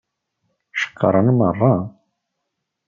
Ceqqṛen meṛṛa.